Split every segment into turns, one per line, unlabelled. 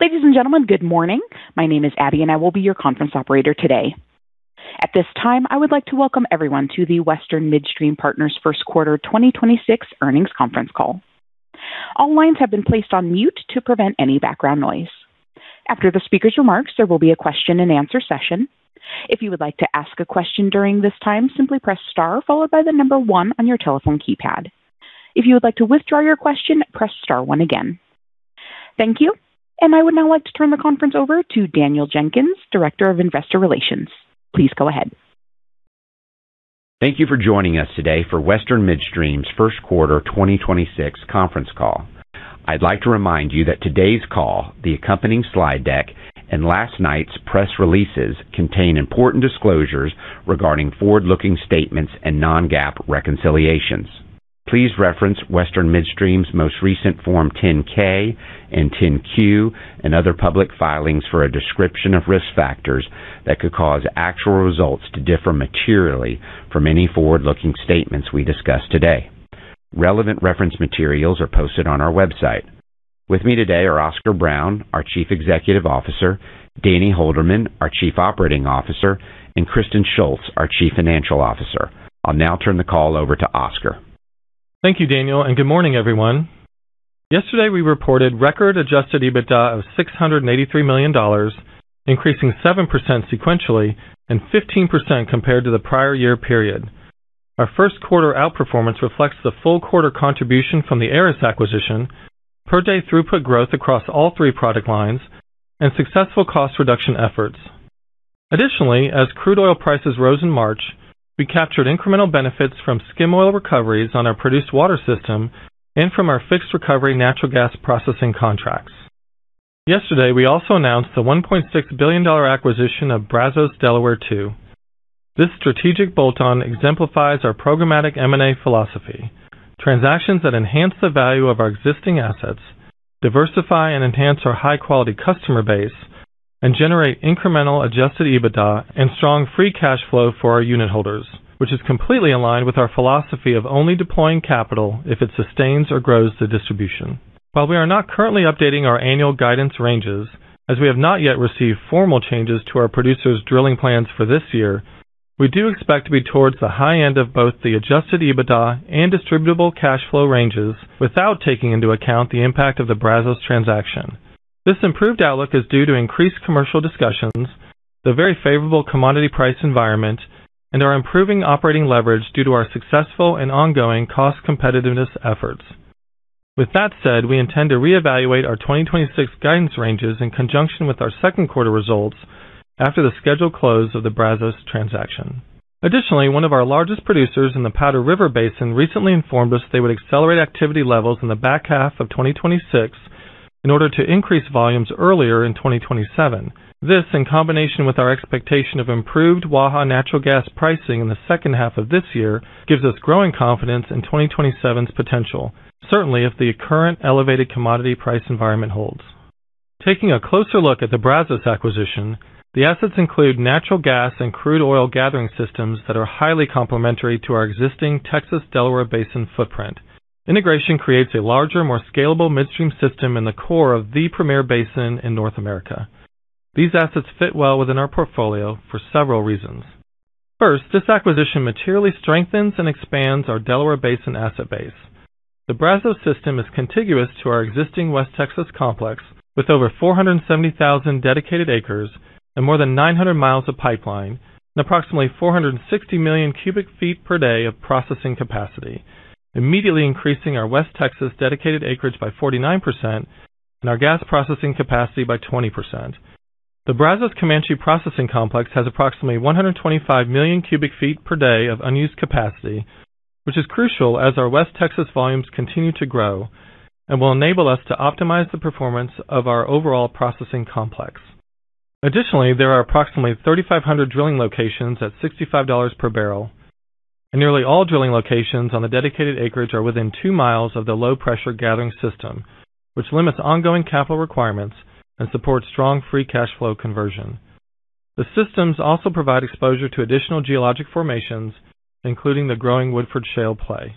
Ladies and gentlemen, good morning. My name is Abby, and I will be your conference operator today. At this time, I would like to welcome everyone to the Western Midstream Partners First Quarter 2026 Earnings Conference Call. All lines have been placed on mute to prevent any background noise. After the speaker's remarks, there will be a question-and-answer session. If you would like to ask a question during this time, simply press star followed by the number one on your telephone keypad. If you would like to withdraw your question, press star one again. Thank you. I would now like to turn the conference over to Daniel Jenkins, Director of Investor Relations. Please go ahead.
Thank you for joining us today for Western Midstream's first quarter 2026 conference call. I'd like to remind you that today's call, the accompanying slide deck, and last night's press releases contain important disclosures regarding forward-looking statements and non-GAAP reconciliations. Please reference Western Midstream's most recent Form 10-K and 10-Q and other public filings for a description of risk factors that could cause actual results to differ materially from any forward-looking statements we discuss today. Relevant reference materials are posted on our website. With me today are Oscar Brown, our Chief Executive Officer, Danny Holderman, our Chief Operating Officer, and Kristen Shults, our Chief Financial Officer. I'll now turn the call over to Oscar.
Thank you, Daniel, and good morning, everyone. Yesterday, we reported record adjusted EBITDA of $683 million, increasing 7% sequentially and 15% compared to the prior year period. Our first quarter outperformance reflects the full quarter contribution from the Aris acquisition, per day throughput growth across all three product lines, and successful cost reduction efforts. Additionally, as crude oil prices rose in March, we captured incremental benefits from skim oil recoveries on our produced water system and from our fixed recovery natural gas processing contracts. Yesterday, we also announced the $1.6 billion acquisition of Brazos Delaware II. This strategic bolt-on exemplifies our programmatic M&A philosophy, transactions that enhance the value of our existing assets, diversify and enhance our high-quality customer base, and generate incremental adjusted EBITDA and strong free cash flow for our unit holders, which is completely aligned with our philosophy of only deploying capital if it sustains or grows the distribution. While we are not currently updating our annual guidance ranges, as we have not yet received formal changes to our producers' drilling plans for this year, we do expect to be towards the high end of both the adjusted EBITDA and distributable cash flow ranges without taking into account the impact of the Brazos transaction. This improved outlook is due to increased commercial discussions, the very favorable commodity price environment, and our improving operating leverage due to our successful and ongoing cost competitiveness efforts. With that said, we intend to reevaluate our 2026 guidance ranges in conjunction with our second quarter results after the scheduled close of the Brazos transaction. Additionally, one of our largest producers in the Powder River Basin recently informed us they would accelerate activity levels in the 2H of 2026 in order to increase volumes earlier in 2027. This, in combination with our expectation of improved Waha natural gas pricing in the second half of this year, gives us growing confidence in 2027's potential, certainly if the current elevated commodity price environment holds. Taking a closer look at the Brazos acquisition, the assets include natural gas and crude oil gathering systems that are highly complementary to our existing Texas Delaware Basin footprint. Integration creates a larger, more scalable midstream system in the core of the premier basin in North America. These assets fit well within our portfolio for several reasons. This acquisition materially strengthens and expands our Delaware Basin asset base. The Brazos system is contiguous to our existing West Texas complex with over 470,000 dedicated acres and more than 900 miles of pipeline and approximately 460 million cu ft per day of processing capacity, immediately increasing our West Texas dedicated acreage by 49% and our gas processing capacity by 20%. The Brazos Comanche processing complex has approximately 125 million cu ft per day of unused capacity, which is crucial as our West Texas volumes continue to grow and will enable us to optimize the performance of our overall processing complex. Additionally, there are approximately 3,500 drilling locations at $65 per barrel, and nearly all drilling locations on the dedicated acreage are within two miles of the low-pressure gathering system, which limits ongoing capital requirements and supports strong free cash flow conversion. The systems also provide exposure to additional geologic formations, including the growing Woodford Shale play.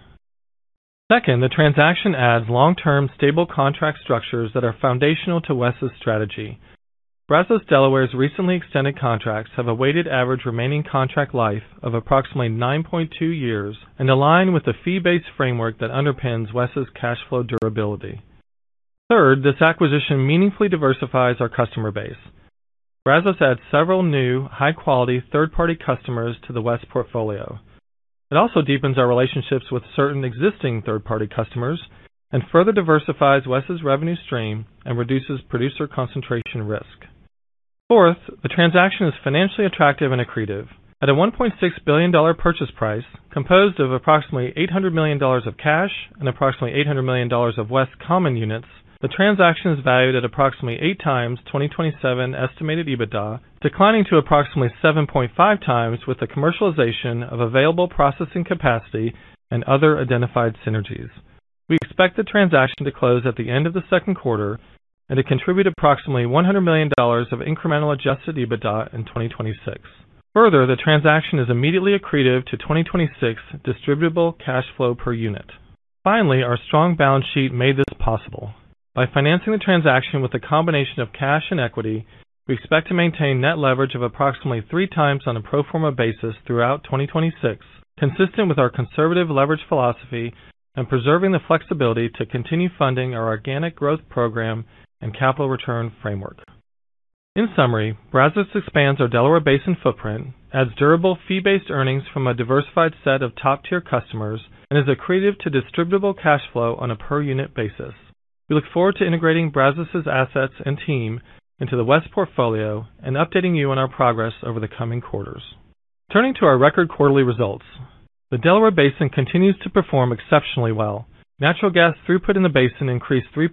Second, the transaction adds long-term, stable contract structures that are foundational to WES's strategy. Brazos Delaware's recently extended contracts have a weighted average remaining contract life of approximately nine point two years and align with the fee-based framework that underpins WES's cash flow durability. Third, this acquisition meaningfully diversifies our customer base. Brazos adds several new, high-quality third-party customers to the WES portfolio. It also deepens our relationships with certain existing third-party customers and further diversifies WES's revenue stream and reduces producer concentration risk. Fourth, the transaction is financially attractive and accretive. At a $1.6 billion purchase price composed of approximately $800 million of cash and approximately $800 million of WES common units, the transaction is valued at approximately 8x 2027 estimated EBITDA, declining to approximately 7.5x with the commercialization of available processing capacity and other identified synergies. We expect the transaction to close at the end of the second quarter and to contribute approximately $100 million of incremental adjusted EBITDA in 2026. Further, the transaction is immediately accretive to 2026 distributable cash flow per unit. Finally, our strong balance sheet made this possible. By financing the transaction with a combination of cash and equity, we expect to maintain net leverage of approximately 3x on a pro forma basis throughout 2026, consistent with our conservative leverage philosophy and preserving the flexibility to continue funding our organic growth program and capital return framework. In summary, Brazos expands our Delaware Basin footprint, adds durable fee-based earnings from a diversified set of top-tier customers, and is accretive to distributable cash flow on a per unit basis. We look forward to integrating Brazos's assets and team into the WES portfolio and updating you on our progress over the coming quarters. Turning to our record quarterly results, the Delaware Basin continues to perform exceptionally well. Natural gas throughput in the basin increased 3%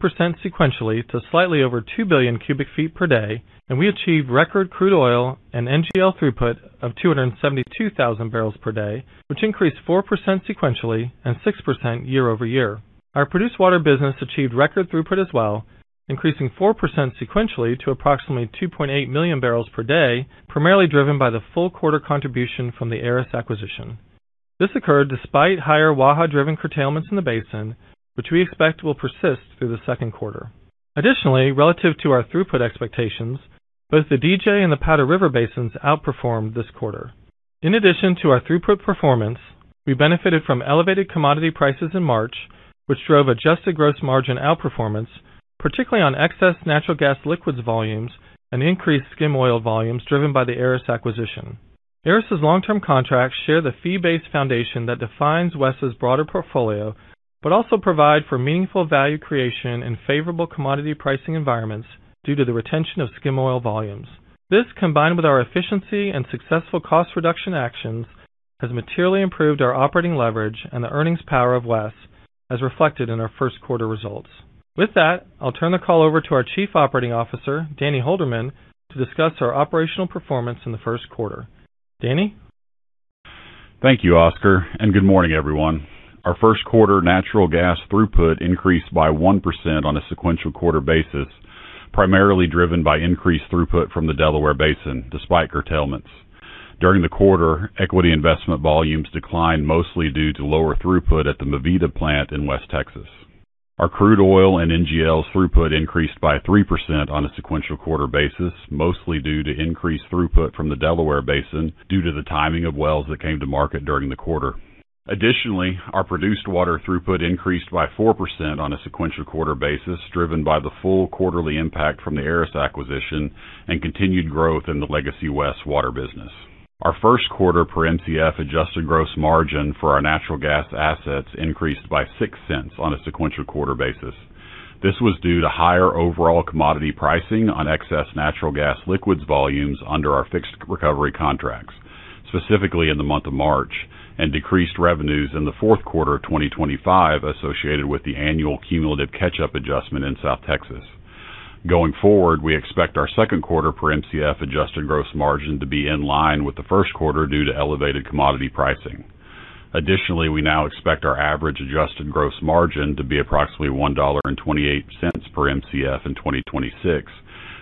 sequentially to slightly over 2 billion cu ft per day, and we achieved record crude oil and NGL throughput of 272,000 barrels per day, which increased 4% sequentially and 6% year-over-year. Our produced water business achieved record throughput as well, increasing 4% sequentially to approximately 2.8 million barrels per day, primarily driven by the full quarter contribution from the Aris acquisition. This occurred despite higher Waha-driven curtailments in the basin, which we expect will persist through the second quarter. Additionally, relative to our throughput expectations, both the DJ and the Powder River Basins outperformed this quarter. In addition to our throughput performance, we benefited from elevated commodity prices in March, which drove adjusted gross margin outperformance, particularly on excess natural gas liquids volumes and increased skim oil volumes driven by the Aris acquisition. Aris's long-term contracts share the fee-based foundation that defines WES's broader portfolio, but also provide for meaningful value creation in favorable commodity pricing environments due to the retention of skim oil volumes. This, combined with our efficiency and successful cost reduction actions, has materially improved our operating leverage and the earnings power of WES, as reflected in our first quarter results. With that, I'll turn the call over to our Chief Operating Officer, Danny Holderman, to discuss our operational performance in the first quarter. Danny?
Thank you, Oscar, and good morning, everyone. Our first quarter natural gas throughput increased by 1% on a sequential-quarter basis, primarily driven by increased throughput from the Delaware Basin despite curtailments. During the quarter, equity investment volumes declined mostly due to lower throughput at the Mi Vida plant in West Texas. Our crude oil and NGLs throughput increased by 3% on a sequential-quarter basis, mostly due to increased throughput from the Delaware Basin due to the timing of wells that came to market during the quarter. Additionally, our produced water throughput increased by 4% on a sequential-quarter basis, driven by the full quarterly impact from the Aris acquisition and continued growth in the legacy WES water business. Our first quarter per Mcf adjusted gross margin for our natural gas assets increased by $0.06 on a sequential-quarter basis. This was due to higher overall commodity pricing on excess natural gas liquids volumes under our fixed recovery contracts, specifically in the month of March, and decreased revenues in the fourth quarter of 2025 associated with the annual cumulative catch-up adjustment in South Texas. Going forward, we expect our second quarter per Mcf adjusted gross margin to be in line with the first quarter due to elevated commodity pricing. Additionally, we now expect our average adjusted gross margin to be approximately $1.28 per Mcf in 2026,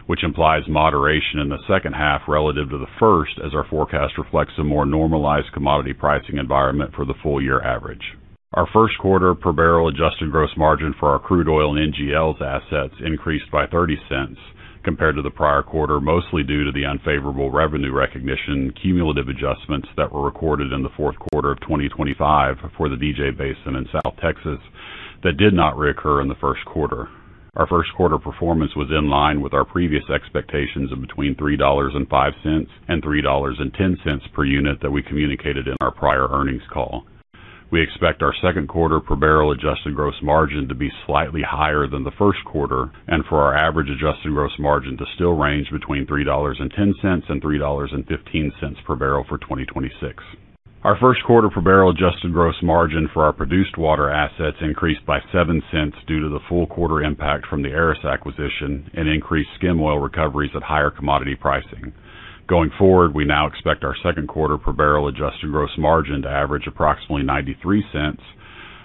which implies moderation in the second half relative to the first as our forecast reflects a more normalized commodity pricing environment for the full year average. Our first quarter per barrel adjusted gross margin for our crude oil and NGLs assets increased by $0.30 compared to the prior quarter, mostly due to the unfavorable revenue recognition cumulative adjustments that were recorded in the fourth quarter of 2025 for the DJ Basin in South Texas that did not reoccur in the first quarter. Our first quarter performance was in line with our previous expectations of between $3.05 and $3.10 per unit that we communicated in our prior earnings call. We expect our second quarter per barrel adjusted gross margin to be slightly higher than the first quarter and for our average adjusted gross margin to still range between $3.10 and $3.15 per barrel for 2026. Our first quarter per barrel adjusted gross margin for our produced water assets increased by $0.07 due to the full quarter impact from the Aris acquisition and increased skim oil recoveries at higher commodity pricing. Going forward, we now expect our second quarter per barrel adjusted gross margin to average approximately $0.93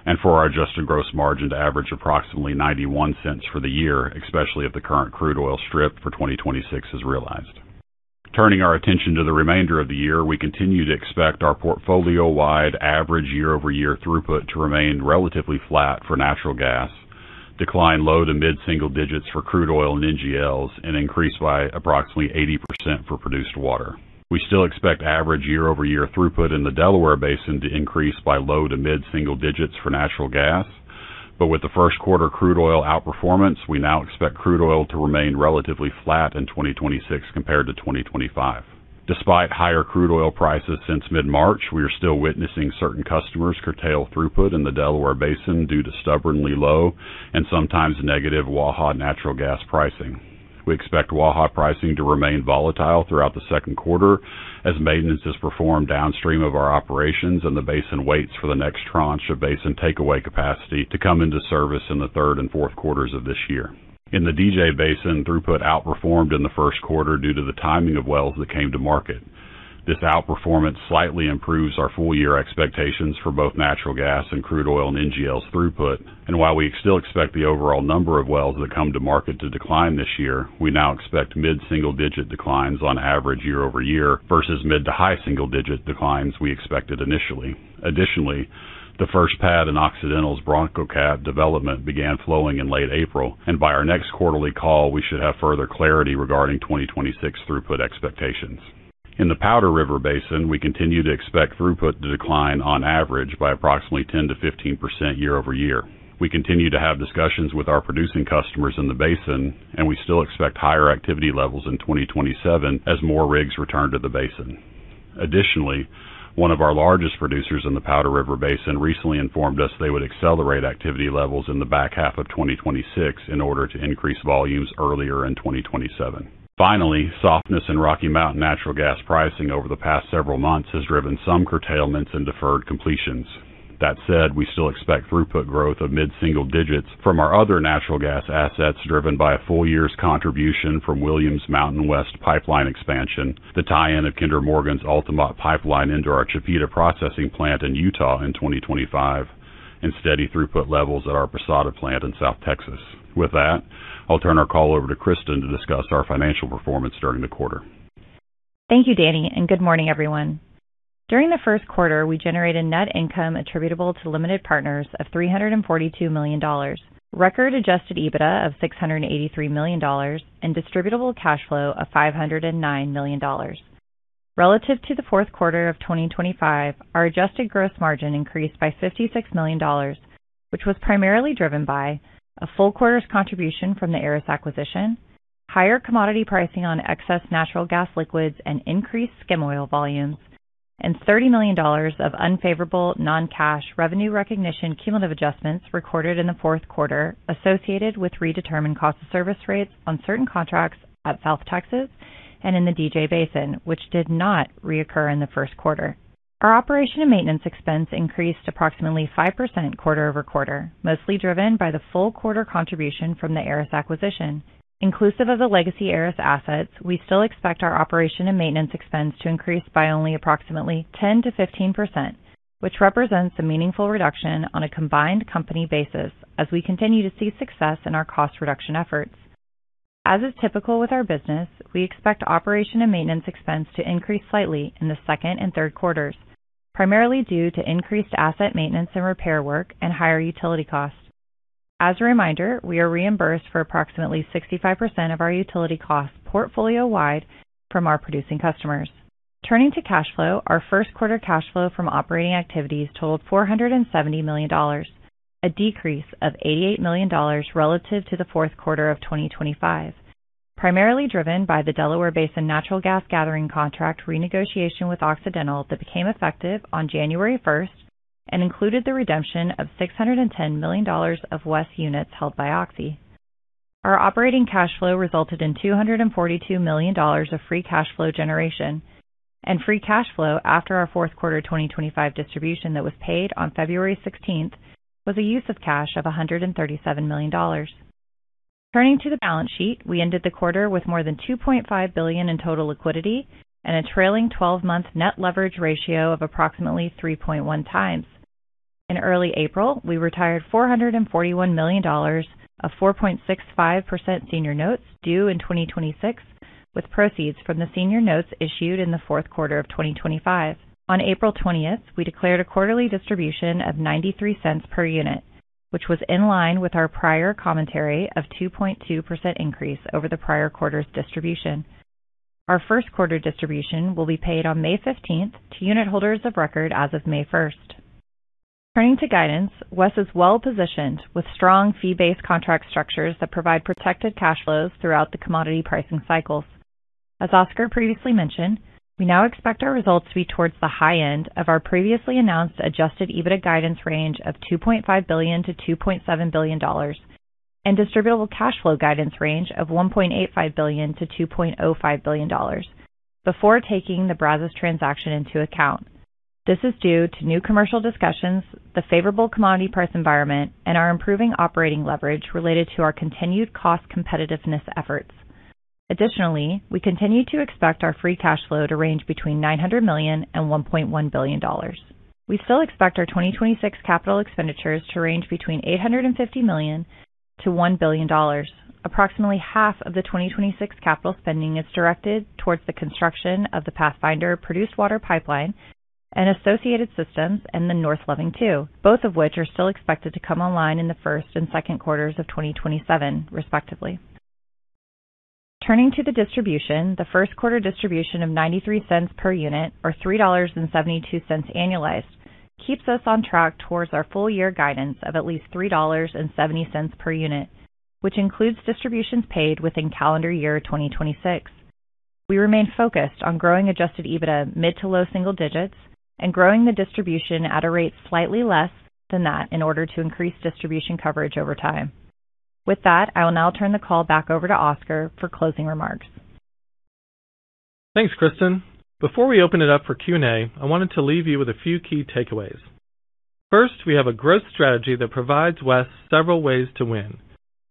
and for our adjusted gross margin to average approximately $0.91 for the year, especially if the current crude oil strip for 2026 is realized. Turning our attention to the remainder of the year, we continue to expect our portfolio-wide average year-over-year throughput to remain relatively flat for natural gas, decline low to mid-single digits for crude oil and NGLs, and increase by approximately 80% for produced water. We still expect average year-over-year throughput in the Delaware Basin to increase by low to mid-single digits for natural gas. With the first quarter crude oil outperformance, we now expect crude oil to remain relatively flat in 2026 compared to 2025. Despite higher crude oil prices since mid-March, we are still witnessing certain customers curtail throughput in the Delaware Basin due to stubbornly low and sometimes negative Waha natural gas pricing. We expect Waha pricing to remain volatile throughout the second quarter as maintenance is performed downstream of our operations and the basin waits for the next tranche of basin takeaway capacity to come into service in the third and fourth quarters of this year. In the DJ Basin, throughput outperformed in the first quarter due to the timing of wells that came to market. This outperformance slightly improves our full-year expectations for both natural gas and crude oil and NGLs throughput. While we still expect the overall number of wells that come to market to decline this year, we now expect mid-single-digit declines on average year-over-year versus mid to high single digit declines we expected initially. Additionally, the first pad in Occidental's Bronco pad development began flowing in late April, and by our next quarterly call, we should have further clarity regarding 2026 throughput expectations. In the Powder River Basin, we continue to expect throughput to decline on average by approximately 10%-15% year-over-year. We continue to have discussions with our producing customers in the basin, and we still expect higher activity levels in 2027 as more rigs return to the basin. One of our largest producers in the Powder River Basin recently informed us they would accelerate activity levels in the back half of 2026 in order to increase volumes earlier in 2027. Softness in Rocky Mountain natural gas pricing over the past several months has driven some curtailments and deferred completions. That said, we still expect throughput growth of mid-single digits from our other natural gas assets driven by a full year's contribution from Williams' MountainWest pipeline expansion, the tie-in of Kinder Morgan's Altamont pipeline into our Chipeta processing plant in Utah in 2025, and steady throughput levels at our Posada plant in South Texas. With that, I'll turn our call over to Kristen to discuss our financial performance during the quarter.
Thank you, Danny. Good morning, everyone. During the first quarter, we generated net income attributable to limited partners of $342 million, record adjusted EBITDA of $683 million, and distributable cash flow of $509 million. Relative to the fourth quarter of 2025, our adjusted gross margin increased by $56 million, which was primarily driven by a full quarter's contribution from the Aris acquisition, higher commodity pricing on excess natural gas liquids and increased skim oil volumes, and $30 million of unfavorable non-cash revenue recognition cumulative adjustments recorded in the fourth quarter associated with redetermined cost of service rates on certain contracts at South Texas and in the DJ Basin, which did not reoccur in the first quarter. Our operation and maintenance expense increased approximately 5% quarter-over-quarter, mostly driven by the full quarter contribution from the Aris acquisition. Inclusive of the legacy Aris assets, we still expect our operation and maintenance expense to increase by only approximately 10%-15%, which represents a meaningful reduction on a combined company basis as we continue to see success in our cost reduction efforts. As is typical with our business, we expect operation and maintenance expense to increase slightly in the second and third quarters, primarily due to increased asset maintenance and repair work and higher utility costs. As a reminder, we are reimbursed for approximately 65% of our utility costs portfolio-wide from our producing customers. Turning to cash flow, our first quarter cash flow from operating activities totaled $470 million, a decrease of $88 million relative to the fourth quarter of 2025, primarily driven by the Delaware Basin Natural Gas Gathering contract renegotiation with Occidental that became effective on January 1st and included the redemption of $610 million of WES units held by Oxy. Our operating cash flow resulted in $242 million of free cash flow generation, and free cash flow after our fourth quarter 2025 distribution that was paid on February 16th was a use of cash of $137 million. Turning to the balance sheet, we ended the quarter with more than $2.5 billion in total liquidity and a trailing 12-month net leverage ratio of approximately 3.1x. In early April, we retired $441 million of 4.65% senior notes due in 2026 with proceeds from the senior notes issued in the fourth quarter of 2025. On April 20th, we declared a quarterly distribution of $0.93 per unit, which was in line with our prior commentary of 2.2% increase over the prior quarter's distribution. Our first quarter distribution will be paid on May 15th to unit holders of record as of May 1st. Turning to guidance, WES is well-positioned with strong fee-based contract structures that provide protected cash flows throughout the commodity pricing cycles. As Oscar previously mentioned, we now expect our results to be towards the high end of our previously announced adjusted EBITDA guidance range of $2.5 billion-$2.7 billion and distributable cash flow guidance range of $1.85 billion-$2.5 billion before taking the Brazos transaction into account. This is due to new commercial discussions, the favorable commodity price environment, and our improving operating leverage related to our continued cost competitiveness efforts. Additionally, we continue to expect our free cash flow to range between $900 million and $1.1 billion. We still expect our 2026 capital expenditures to range between $850 million-$1 billion. Approximately half of the 2026 capital spending is directed towards the construction of the Pathfinder produced water pipeline and associated systems and the North Loving II, both of which are still expected to come online in the first and second quarters of 2027, respectively. Turning to the distribution, the first quarter distribution of $0.93 per unit or $3.72 annualized keeps us on track towards our full year guidance of at least $3.70 per unit, which includes distributions paid within calendar year 2026. We remain focused on growing adjusted EBITDA mid to low single digits and growing the distribution at a rate slightly less than that in order to increase distribution coverage over time. With that, I will now turn the call back over to Oscar for closing remarks.
Thanks, Kristen. Before we open it up for Q&A, I wanted to leave you with a few key takeaways. First, we have a growth strategy that provides WES several ways to win.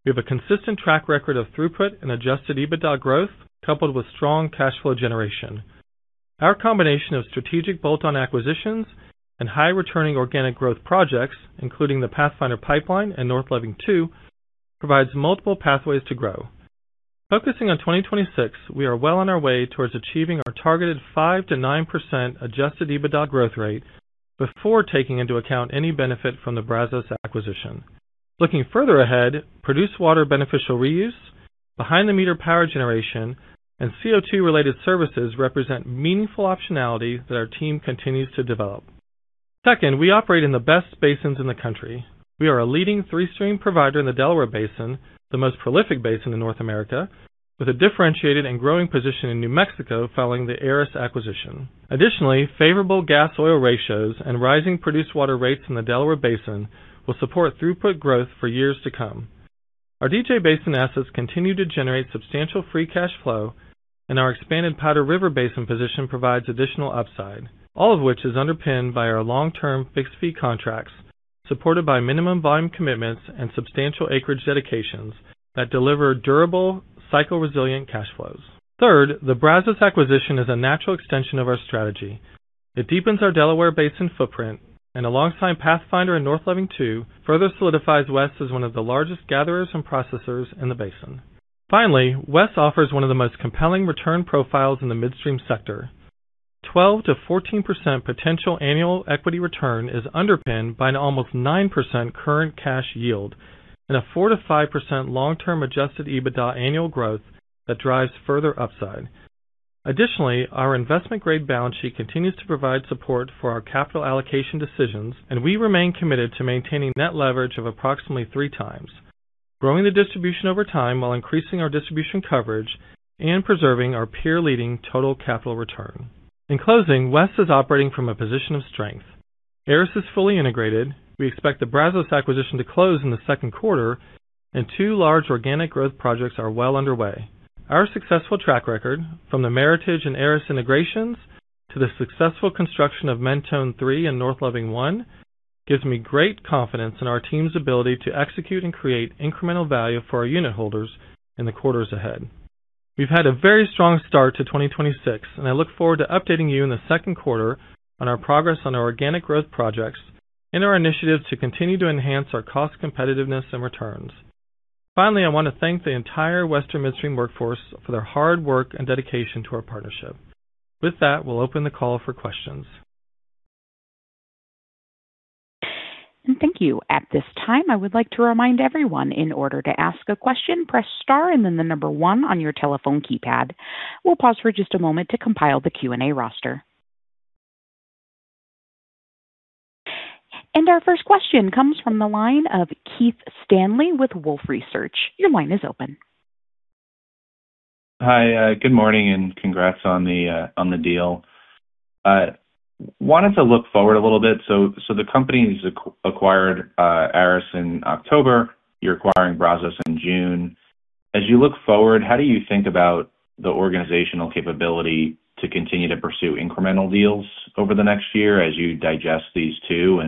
We have a consistent track record of throughput and adjusted EBITDA growth, coupled with strong cash flow generation. Our combination of strategic bolt-on acquisitions and high returning organic growth projects, including the Pathfinder pipeline and North Loving II, provides multiple pathways to grow. Focusing on 2026, we are well on our way towards achieving our targeted 5%-9% adjusted EBITDA growth rate before taking into account any benefit from the Brazos acquisition. Looking further ahead, produced water beneficial reuse, behind the meter power generation, and CO2 related services represent meaningful optionality that our team continues to develop. Second, we operate in the best basins in the country. We are a leading three-stream provider in the Delaware Basin, the most prolific basin in North America, with a differentiated and growing position in New Mexico following the Aris acquisition. Additionally, favorable gas oil ratios and rising produced water rates in the Delaware Basin will support throughput growth for years to come. Our DJ Basin assets continue to generate substantial free cash flow, and our expanded Powder River Basin position provides additional upside, all of which is underpinned by our long-term fixed fee contracts, supported by minimum volume commitments and substantial acreage dedications that deliver durable cycle resilient cash flows. Third, the Brazos acquisition is a natural extension of our strategy. It deepens our Delaware Basin footprint and alongside Pathfinder and North Loving II, further solidifies WES as one of the largest gatherers and processors in the basin. Finally, WES offers one of the most compelling return profiles in the midstream sector. 12%-14% potential annual equity return is underpinned by an almost 9% current cash yield and a 4%-5% long-term adjusted EBITDA annual growth that drives further upside. Additionally, our investment-grade balance sheet continues to provide support for our capital allocation decisions, and we remain committed to maintaining net leverage of approximately 3x, growing the distribution over time while increasing our distribution coverage and preserving our peer-leading total capital return. In closing, WES is operating from a position of strength. Aris is fully integrated. We expect the Brazos acquisition to close in the second quarter, and two large organic growth projects are well underway. Our successful track record, from the Meritage and Aris integrations to the successful construction of Mentone III and North Loving I, gives me great confidence in our team's ability to execute and create incremental value for our unit holders in the quarters ahead. We've had a very strong start to 2026. I look forward to updating you in the second quarter on our progress on our organic growth projects and our initiatives to continue to enhance our cost competitiveness and returns. I want to thank the entire Western Midstream workforce for their hard work and dedication to our partnership. With that, we'll open the call for questions.
Thank you. At this time, I would like to remind everyone in order to ask a question, press star and then the number one on your telephone keypad. We'll pause for just a moment to compile the Q&A roster. Our first question comes from the line of Keith Stanley with Wolfe Research. Your line is open.
Hi. Good morning, and congrats on the deal. Wanted to look forward a little bit. So the company's acquired Aris in October. You're acquiring Brazos in June. As you look forward, how do you think about the organizational capability to continue to pursue incremental deals over the next year as you digest these two?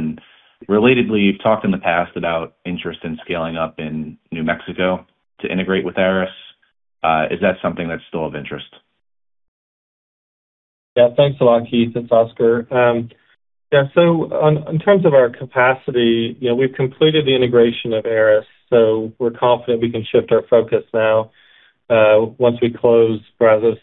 Relatedly, you've talked in the past about interest in scaling up in New Mexico to integrate with Aris. Is that something that's still of interest?
Thanks a lot, Keith. It's Oscar. So in terms of our capacity, you know, we've completed the integration of Aris, so we're confident we can shift our focus now once we close Brazos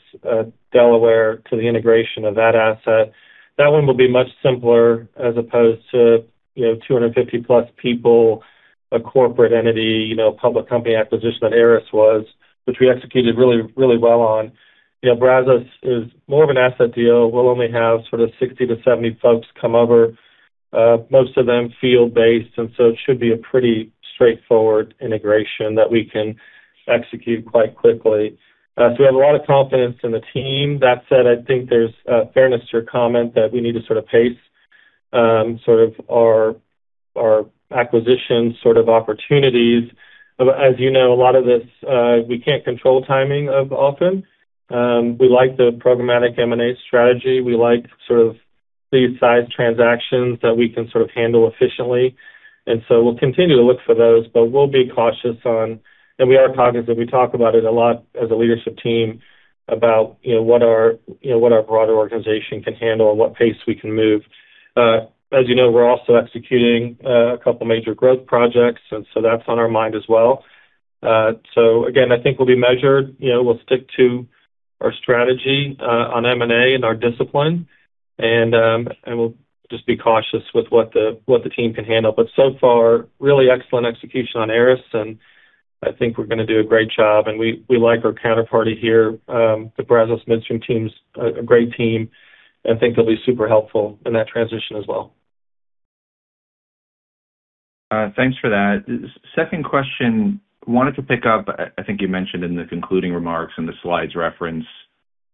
Delaware to the integration of that asset. That one will be much simpler as opposed to, you know, 250+ people, a corporate entity, you know, public company acquisition that Aris was, which we executed really, really well on. You know, Brazos is more of an asset deal. We'll only have sort of 60-70 folks come over, most of them field-based, and so it should be a pretty straightforward integration that we can execute quite quickly. We have a lot of confidence in the team. That said, I think there's a fairness to your comment that we need to sort of pace, sort of our acquisition sort of opportunities. As you know, a lot of this, we can't control timing of often. We like the programmatic M&A strategy. We like sort of these size transactions that we can sort of handle efficiently. We'll continue to look for those, but we'll be cautious. We are cognizant, we talk about it a lot as a leadership team about, you know, what our, you know, what our broader organization can handle and what pace we can move. As you know, we're also executing two major growth projects, that's on our mind as well. Again, I think we'll be measured. You know, we'll stick to our strategy on M&A and our discipline, and we'll just be cautious with what the team can handle. So far, really excellent execution on Aris, and I think we're gonna do a great job. We like our counterparty here. The Brazos Midstream team's a great team and think they'll be super helpful in that transition as well.
Thanks for that. Second question, wanted to pick up, I think you mentioned in the concluding remarks and the slides reference,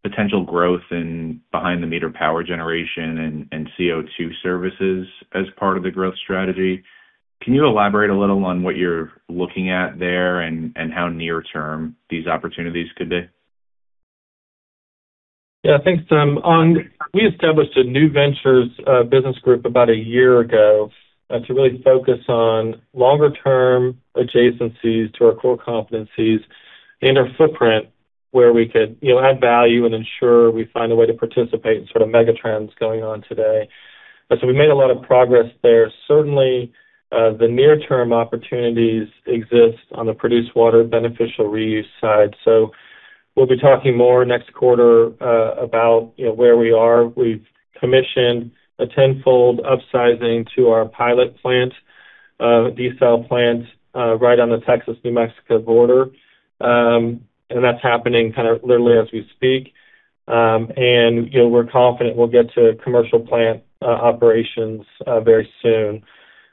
potential growth in behind the meter power generation and CO2 services as part of the growth strategy. Can you elaborate a little on what you're looking at there and how near-term these opportunities could be?
Thanks, Keith Stanley. We established a new ventures business group about a year ago to really focus on longer term adjacencies to our core competencies in our footprint where we could, you know, add value and ensure we find a way to participate in sort of megatrends going on today. We made a lot of progress there. Certainly, the near term opportunities exist on the produced water beneficial reuse side. We'll be talking more next quarter about, you know, where we are. We've commissioned a 10-fold upsizing to our pilot plant desal plant right on the Texas-New Mexico border. That's happening kind of literally as we speak. You know, we're confident we'll get to commercial plant operations very soon.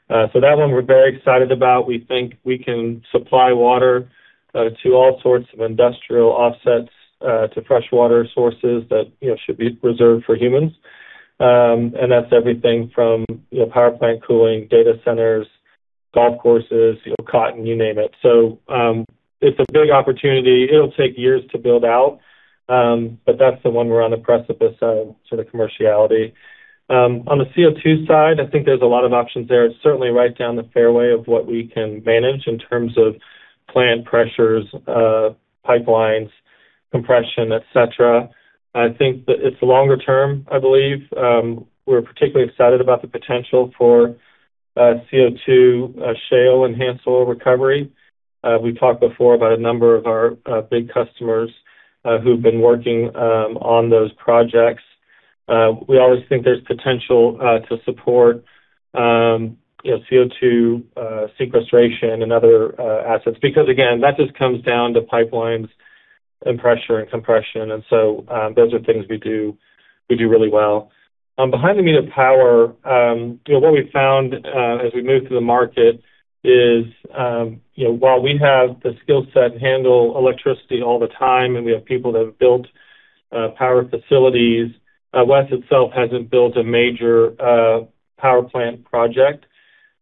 That one we're very excited about. We think we can supply water to all sorts of industrial offsets, to freshwater sources that, you know, should be reserved for humans. That's everything from, you know, power plant cooling, data centers, golf courses, you know, cotton, you name it. It's a big opportunity. It'll take years to build out, but that's the one we're on the precipice of sort of commerciality. On the CO2 side, I think there's a lot of options there. It's certainly right down the fairway of what we can manage in terms of plant pressures, pipelines, compression, et cetera. I think that it's longer term, I believe. We're particularly excited about the potential for CO2 shale enhanced oil recovery. We talked before about a number of our big customers who've been working on those projects. We always think there's potential to support, you know, CO2 sequestration and other assets because again, that just comes down to pipelines and pressure and compression. Those are things we do really well. Behind the meter power, you know, what we've found as we move through the market is, you know, while we have the skill set to handle electricity all the time, and we have people that have built power facilities, WES itself hasn't built a major power plant project.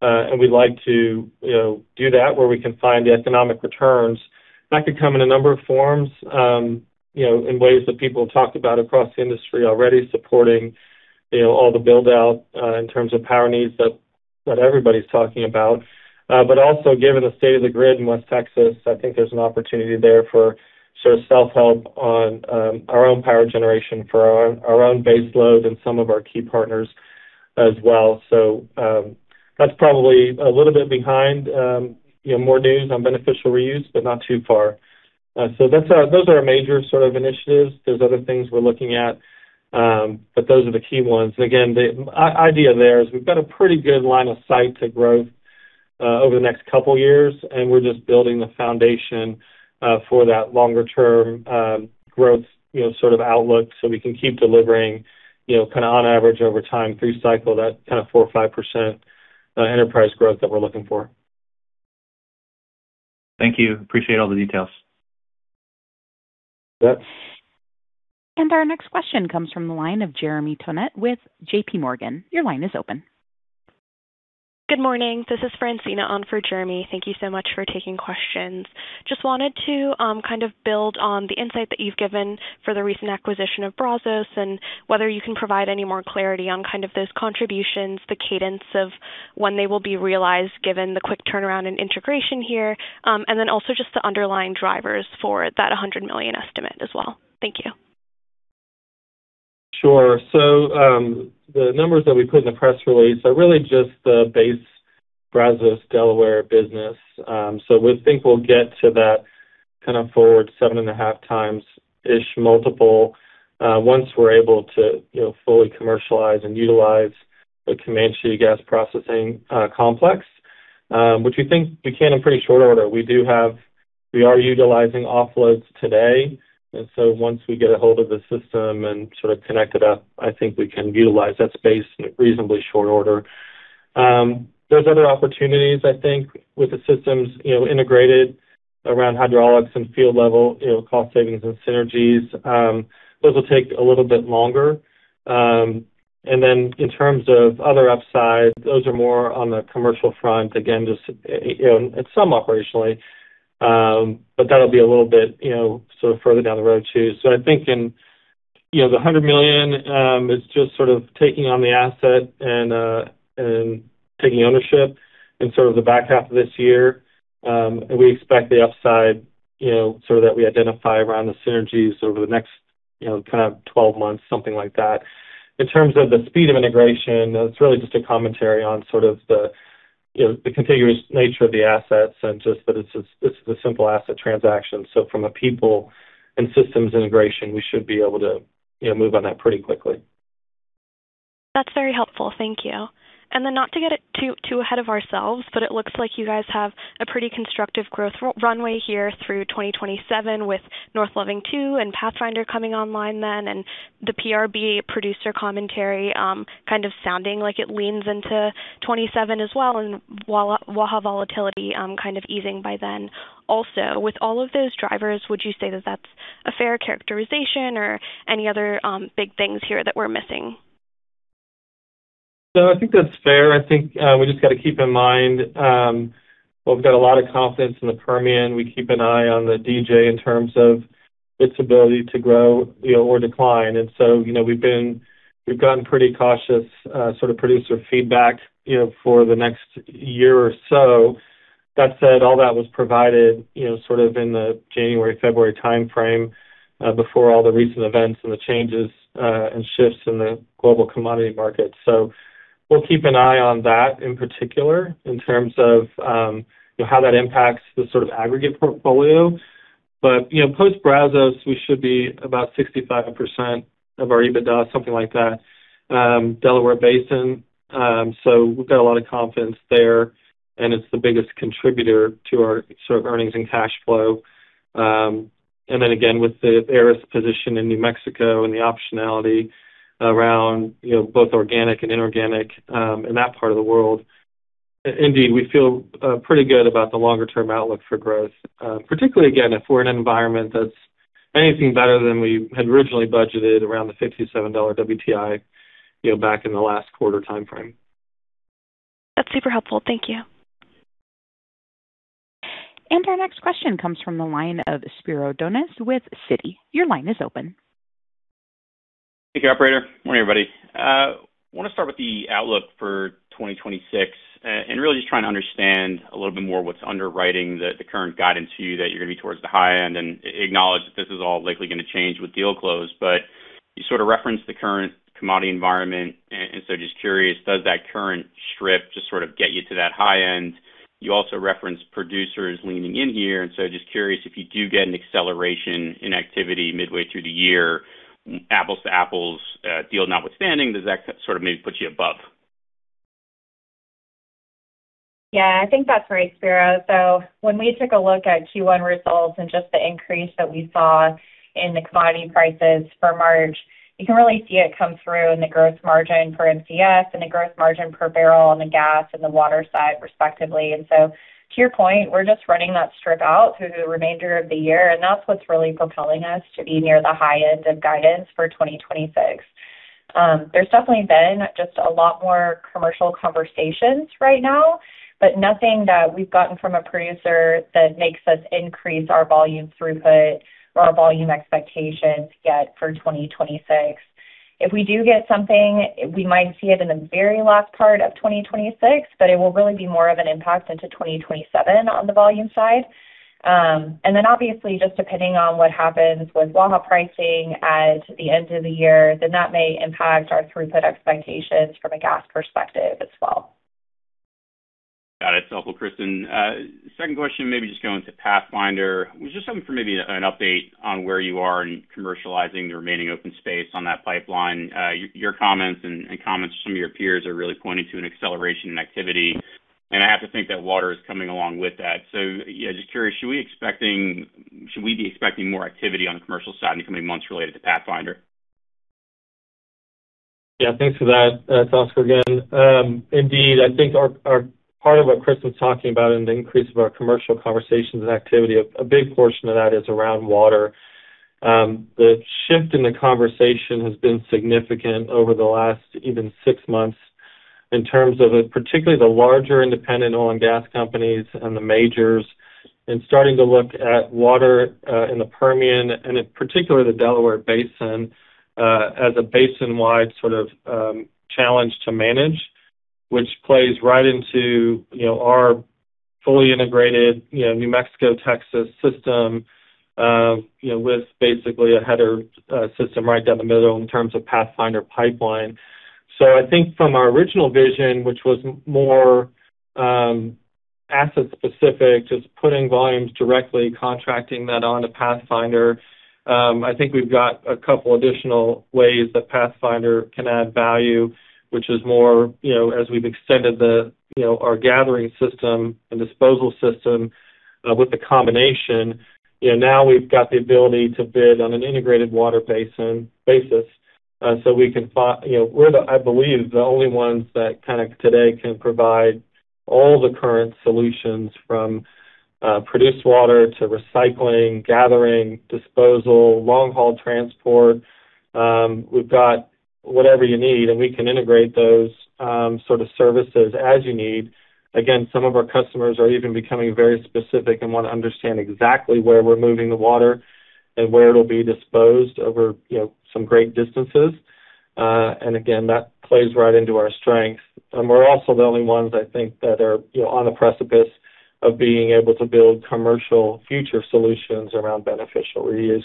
We'd like to, you know, do that where we can find the economic returns. That could come in a number of forms, you know, in ways that people talk about across the industry already supporting, you know, all the build out in terms of power needs that everybody's talking about. Also given the state of the grid in West Texas, I think there's an opportunity there for sort of self-help on our own power generation for our own base load and some of our key partners as well. That's probably a little bit behind, you know, more news on beneficial reuse, but not too far. Those are our major sort of initiatives. There's other things we're looking at, but those are the key ones. The idea there is we've got a pretty good line of sight to growth, over the next couple years, and we're just building the foundation, for that longer term, growth, you know, sort of outlook so we can keep delivering, you know, kind of on average over time through cycle, that kind of 4% or 5% enterprise growth that we're looking for.
Thank you. Appreciate all the details.
Yes.
Our next question comes from the line of Jeremy Tonet with JPMorgan. Your line is open.
Good morning. This is Francina on for Jeremy. Thank you so much for taking questions. Just wanted to kind of build on the insight that you've given for the recent acquisition of Brazos and whether you can provide any more clarity on kind of those contributions, the cadence of when they will be realized given the quick turnaround in integration here. Also just the underlying drivers for that $100 million estimate as well. Thank you.
Sure. The numbers that we put in the press release are really just the base Brazos Delaware business. We think we'll get to that kind of forward 7.5x-ish multiple once we're able to fully commercialize and utilize the Comanche gas processing complex, which we think we can in pretty short order. We are utilizing offloads today, once we get a hold of the system and sort of connect it up, I think we can utilize that space in reasonably short order. There's other opportunities, I think, with the systems integrated around hydraulics and field level cost savings and synergies. Those will take a little bit longer. In terms of other upside, those are more on the commercial front. Just, you know, and some operationally, but that'll be a little bit, you know, sort of further down the road too. I think in, you know, the $100 million is just sort of taking on the asset and taking ownership in sort of the back half of this year. And we expect the upside, you know, sort of that we identify around the synergies over the next, you know, kind of 12 months, something like that. In terms of the speed of integration, it's really just a commentary on sort of the, you know, the contiguous nature of the assets and just that it's a simple asset transaction. From a people and systems integration, we should be able to, you know, move on that pretty quickly.
That's very helpful. Thank you. Not to get it too ahead of ourselves, but it looks like you guys have a pretty constructive growth runway here through 2027 with North Loving II and Pathfinder coming online then, and the PRB producer commentary, kind of sounding like it leans into 2027 as well, and Waha volatility, kind of easing by then also. With all of those drivers, would you say that that's a fair characterization or any other, big things here that we're missing?
I think that's fair. I think, well, we've got a lot of confidence in the Permian. We keep an eye on the DJ in terms of its ability to grow, you know, or decline. You know, we've gotten pretty cautious, sort of producer feedback, you know, for the next year or so. That said, all that was provided, you know, sort of in the January-February timeframe, before all the recent events and the changes and shifts in the global commodity market. We'll keep an eye on that in particular in terms of, you know, how that impacts the sort of aggregate portfolio. You know, post Brazos, we should be about 65% of our EBITDA, something like that, Delaware Basin. We've got a lot of confidence there, and it's the biggest contributor to our sort of earnings and cash flow. Again, with the Aris position in New Mexico and the optionality around, you know, both organic and inorganic, in that part of the world. Indeed, we feel pretty good about the longer term outlook for growth, particularly again, if we're in an environment that's anything better than we had originally budgeted around the $57 WTI, you know, back in the last quarter timeframe.
That's super helpful. Thank you.
Our next question comes from the line of Spiro Dounis with Citi. Your line is open.
Thank you, operator. Morning, everybody. Wanna start with the outlook for 2026, and really just trying to understand a little bit more what's underwriting the current guidance view that you're gonna be towards the high end and acknowledge that this is all likely gonna change with deal close. You sort of referenced the current commodity environment, and so just curious, does that current strip just sort of get you to that high end? You also referenced producers leaning in here, and so just curious if you do get an acceleration in activity midway through the year, apples to apples, deal notwithstanding, does that sort of maybe put you above?
Yeah, I think that's right, Spiro. When we took a look at Q1 results and just the increase that we saw in the commodity prices for March, you can really see it come through in the gross margin per Mcf and the gross margin per barrel on the gas and the water side respectively. To your point, we're just running that strip out through the remainder of the year, and that's what's really propelling us to be near the high end of guidance for 2026. There's definitely been just a lot more commercial conversations right now, but nothing that we've gotten from a producer that makes us increase our volume throughput or our volume expectations yet for 2026. If we do get something, we might see it in the very last part of 2026, but it will really be more of an impact into 2027 on the volume side. Obviously, just depending on what happens with Waha pricing at the end of the year, that may impact our throughput expectations from a gas perspective as well.
Got it. It's helpful, Kristen. Second question, maybe just going to Pathfinder. Was just hoping for maybe an update on where you are in commercializing the remaining open space on that pipeline. Your comments and comments from some of your peers are really pointing to an acceleration in activity, and I have to think that water is coming along with that. Yeah, just curious, should we be expecting more activity on the commercial side in the coming months related to Pathfinder?
Yeah, thanks for that. It's Oscar again. Indeed, I think our part of what Kristen's talking about in the increase of our commercial conversations and activity, a big portion of that is around water. The shift in the conversation has been significant over the last even six months in terms of, particularly the larger independent oil and gas companies and the majors, starting to look at water in the Permian, and in particular the Delaware Basin, as a basin-wide sort of challenge to manage. Which plays right into, you know, our fully integrated, you know, New Mexico-Texas system, you know, with basically a header system right down the middle in terms of Pathfinder pipeline. I think from our original vision, which was more, asset-specific, just putting volumes directly, contracting that onto Pathfinder, I think we've got a couple additional ways that Pathfinder can add value, which is more, you know, as we've extended the, you know, our gathering system and disposal system, with the combination. You know, now we've got the ability to bid on an integrated water basis, You know, we're the, I believe, the only ones that kind of today can provide all the current solutions from, produced water to recycling, gathering, disposal, long-haul transport. We've got whatever you need, and we can integrate those, sort of services as you need. Again, some of our customers are even becoming very specific and wanna understand exactly where we're moving the water and where it'll be disposed over, you know, some great distances. Again, that plays right into our strength. We're also the only ones, I think, that are, you know, on the precipice of being able to build commercial future solutions around beneficial reuse.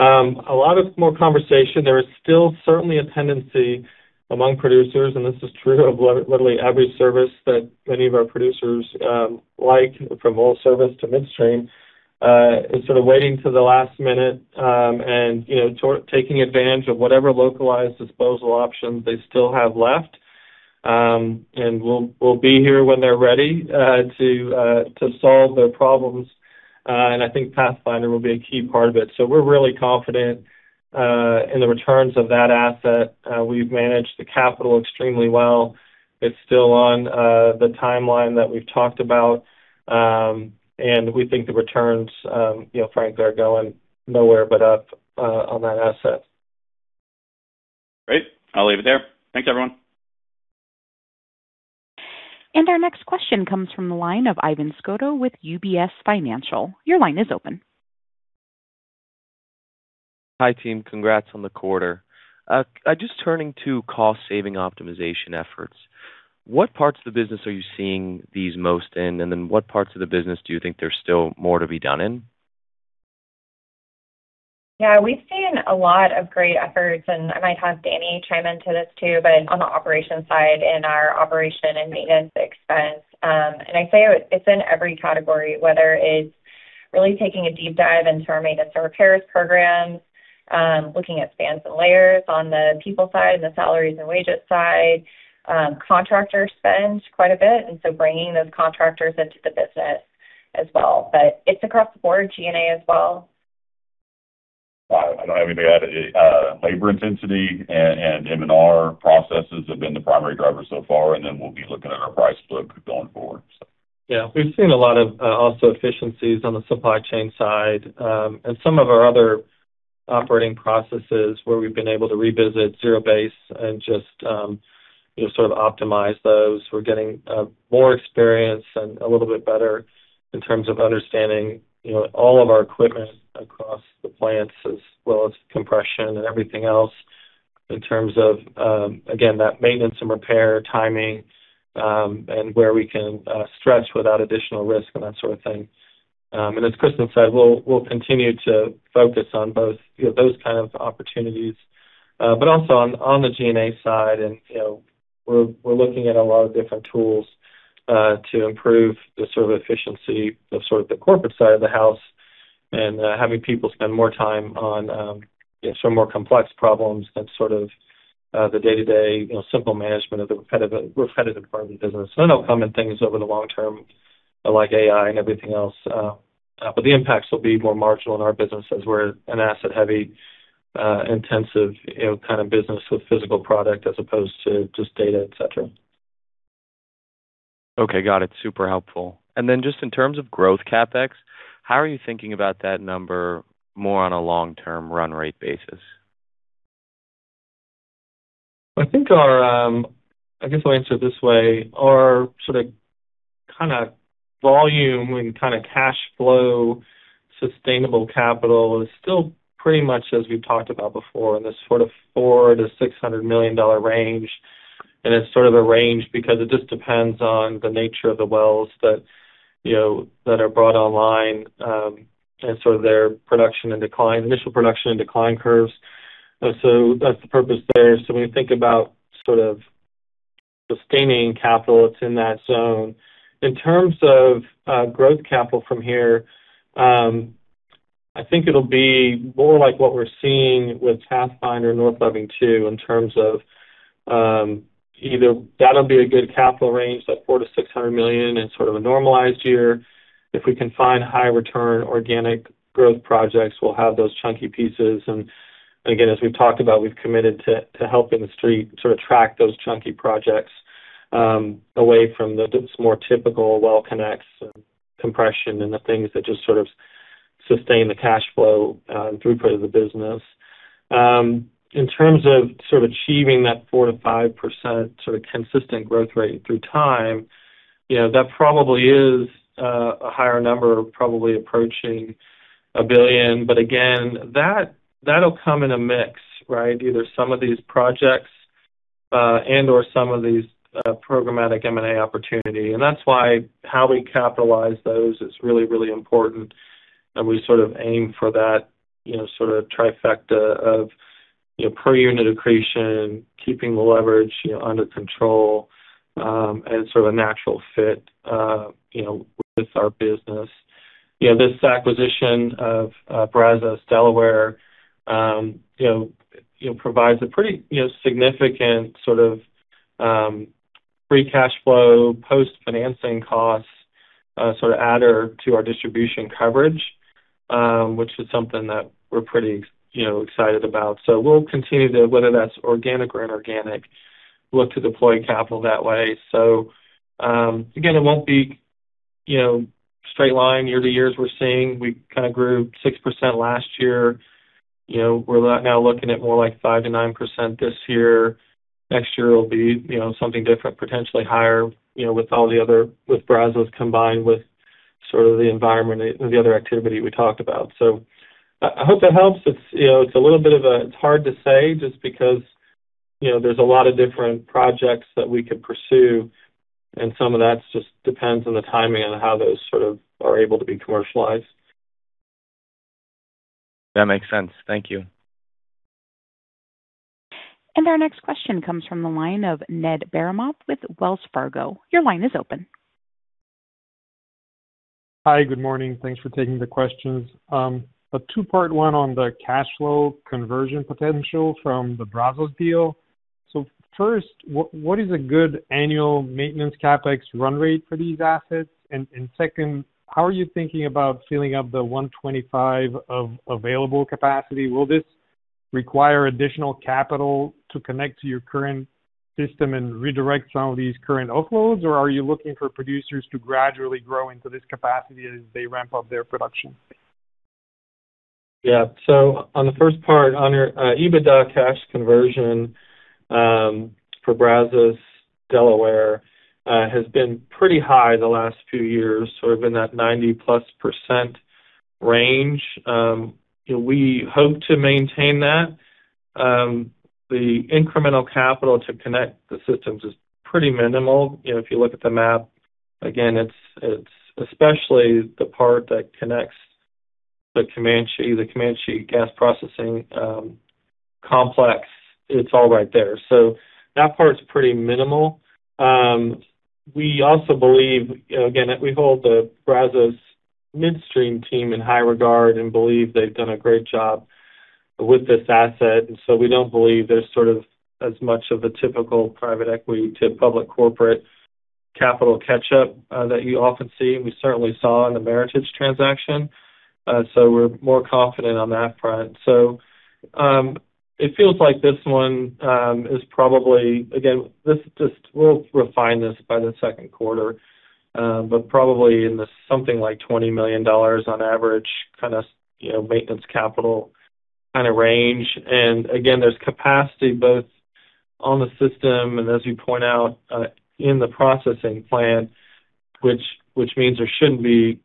A lot of more conversation. There is still certainly a tendency among producers, and this is true of literally every service that many of our producers, like from oil service to midstream, is sort of waiting till the last minute, and, you know, taking advantage of whatever localized disposal options they still have left. We'll be here when they're ready to solve their problems. I think Pathfinder will be a key part of it. We're really confident in the returns of that asset. We've managed the capital extremely well. It's still on the timeline that we've talked about. We think the returns, you know, frankly, are going nowhere but up on that asset.
Great. I'll leave it there. Thanks, everyone.
Our next question comes from the line of Ivan Scotto with UBS Financial. Your line is open.
Hi, team. Congrats on the quarter. Just turning to cost-saving optimization efforts, what parts of the business are you seeing these most in? What parts of the business do you think there's still more to be done in?
Yeah, we've seen a lot of great efforts, and I might have Danny chime into this too, but on the operations side, in our operation and maintenance expense. I say it's in every category, whether it's really taking a deep dive into our maintenance and repairs programs, looking at spans and layers on the people side and the salaries and wages side. Contractor spend quite a bit, bringing those contractors into the business as well. It's across the board, G&A as well.
I don't have anything to add. Labor intensity and M&R processes have been the primary driver so far. We'll be looking at our price book going forward.
Yeah. We've seen a lot of efficiencies on the supply chain side. And some of our other operating processes where we've been able to revisit zero base and just, you know, sort of optimize those. We're getting more experience and a little bit better in terms of understanding, you know, all of our equipment across the plants, as well as compression and everything else in terms of again, that maintenance and repair timing, and where we can stretch without additional risk and that sort of thing. And as Kristen said, we'll continue to focus on both, you know, those kind of opportunities, but also on the G&A side. You know, we're looking at a lot of different tools to improve the sort of efficiency of sort of the corporate side of the house and having people spend more time on, you know, some more complex problems than sort of the day-to-day, you know, simple management of the repetitive part of the business. They'll come and things over the long term, like AI and everything else. The impacts will be more marginal in our business as we're an asset-heavy, intensive, you know, kind of business with physical product as opposed to just data, et cetera.
Okay. Got it. Super helpful. Just in terms of growth CapEx, how are you thinking about that number more on a long-term run rate basis?
I think our, I guess I'll answer it this way. Our sort of, kind of volume and kind of cash flow, sustainable capital is still pretty much as we've talked about before, in this sort of $400 million-$600 million range. It's sort of a range because it just depends on the nature of the wells that, you know, that are brought online, and sort of their production and decline, initial production and decline curves. That's the purpose there. When you think about sort of sustaining capital, it's in that zone. In terms of growth capital from here, I think it'll be more like what we're seeing with Pathfinder, North Loving II, in terms of either that'll be a good capital range, that $400 million-$600 million in sort of a normalized year. If we can find high return organic growth projects, we'll have those chunky pieces. Again, as we've talked about, we've committed to helping the street sort of track those chunky projects away from the just more typical well connects and compression and the things that just sort of sustain the cash flow throughput of the business. In terms of sort of achieving that 4%-5% sort of consistent growth rate through time, you know, that probably is a higher number, probably approaching $1 billion. Again, that'll come in a mix, right? Either some of these projects and/or some of these programmatic M&A opportunity. That's why how we capitalize those is really important. We sort of aim for that, you know, sort of trifecta of, you know, per unit accretion, keeping the leverage, you know, under control, and sort of a natural fit, you know, with our business. You know, this acquisition of Brazos Delaware, you know, provides a pretty, you know, significant sort of free cash flow, post-financing costs, sort of adder to our distribution coverage, which is something that we're pretty, you know, excited about. We'll continue to, whether that's organic or inorganic, look to deploy capital that way. Again, it won't be, you know, straight line year to years we're seeing. We kind of grew 6% last year. You know, we're now looking at more like 5%-9% this year. Next year it'll be, you know, something different, potentially higher, you know, with Brazos combined with sort of the environment and the other activity we talked about. I hope that helps. It's, you know, it's hard to say just because, you know, there's a lot of different projects that we could pursue, some of that just depends on the timing and how those sort of are able to be commercialized.
That makes sense. Thank you.
Our next question comes from the line of Ned Baramov with Wells Fargo. Your line is open.
Hi. Good morning. Thanks for taking the questions. A two-part one on the cash flow conversion potential from the Brazos deal. First, what is a good annual maintenance CapEx run rate for these assets? Second, how are you thinking about filling up the 125 of available capacity? Will this require additional capital to connect to your current system and redirect some of these current offloads, or are you looking for producers to gradually grow into this capacity as they ramp up their production?
Yeah. On the first part, on your EBITDA cash conversion for Brazos Delaware has been pretty high the last few years, sort of in that 90%+ range. You know, we hope to maintain that. The incremental capital to connect the systems is pretty minimal. You know, if you look at the map again, it's especially the part that connects the Comanche, the Comanche gas processing complex. It's all right there. That part's pretty minimal. We also believe, again, that we hold the Brazos Midstream team in high regard and believe they've done a great job with this asset. We don't believe there's sort of as much of a typical private equity to public corporate capital catch-up that you often see, and we certainly saw in the Meritage transaction. We're more confident on that front. It feels like this one is probably again, we'll refine this by the second quarter. Probably in the something like $20 million on average kind of, you know, maintenance capital kind of range. Again, there's capacity both on the system and as you point out, in the processing plant, which means there shouldn't be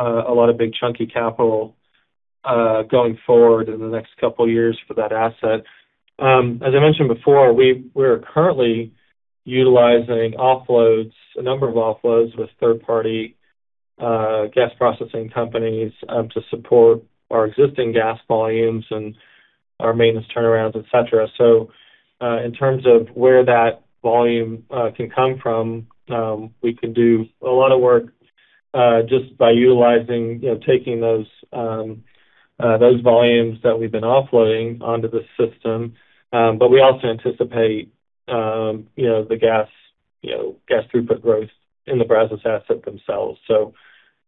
a lot of big chunky capital going forward in the next couple of years for that asset. As I mentioned before, we're currently utilizing offloads, a number of offloads with third-party gas processing companies, to support our existing gas volumes and our maintenance turnarounds, et cetera. In terms of where that volume can come from, we can do a lot of work just by utilizing, you know, taking those volumes that we've been offloading onto the system. We also anticipate the gas throughput growth in the Brazos asset themselves.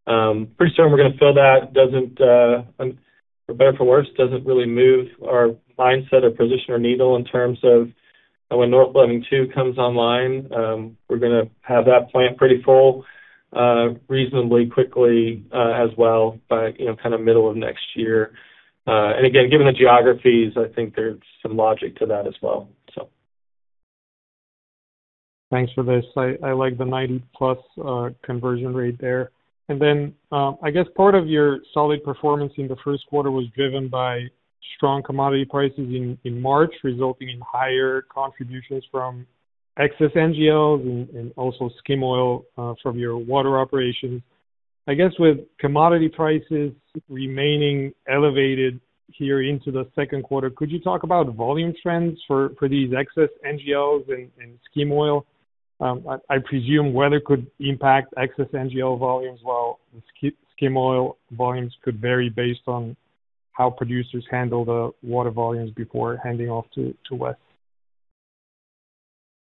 Pretty soon we're gonna fill that. For better or for worse, doesn't really move our mindset or position or needle in terms of when North Loving II comes online, we're gonna have that plant pretty full reasonably quickly as well by, you know, kind of middle of next year. Again, given the geographies, I think there's some logic to that as well.
Thanks for this. I like the 90%+ conversion rate there. I guess part of your solid performance in the first quarter was driven by strong commodity prices in March, resulting in higher contributions from excess NGLs and also skim oil from your water operations. I guess with commodity prices remaining elevated here into the second quarter, could you talk about volume trends for these excess NGLs and skim oil? I presume weather could impact excess NGL volumes, while skim oil volumes could vary based on how producers handle the water volumes before handing off to West.